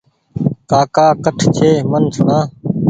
ڪاڪا ڪٺ ڇي ميٚن سوڻا